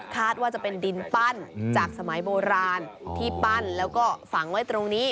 ว่าจะเป็นดินปั้นจากสมัยโบราณที่ปั้นแล้วก็ฝังไว้ตรงนี้